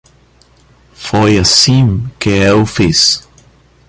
Foi assim que eu fiz.